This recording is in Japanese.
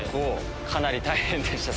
かなり大変でした。